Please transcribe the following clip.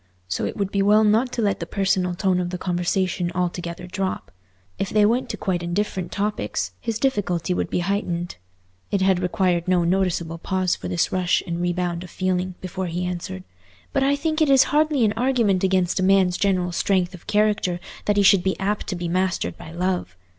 So it would be well not to let the personal tone of the conversation altogether drop. If they went to quite indifferent topics, his difficulty would be heightened. It had required no noticeable pause for this rush and rebound of feeling, before he answered, "But I think it is hardly an argument against a man's general strength of character that he should be apt to be mastered by love.